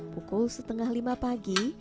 pukul setengah lima pagi